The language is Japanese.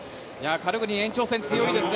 カルグニン、延長戦強いですね。